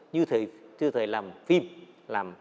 như thời làm phim